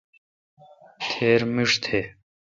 تھیر مݭ تھ۔